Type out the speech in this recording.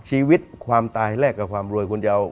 ชีวิตความตายแลกกับความรวยคุณจะเอา